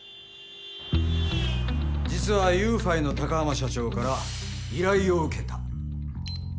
実はＹｏｕＦｉの高濱社長から依頼を受けた。